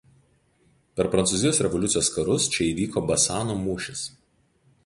Per Prancūzijos revoliucijos karus čia įvyko Basano mūšis.